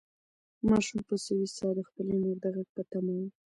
ماشوم په سوې ساه د خپلې مور د غږ په تمه و.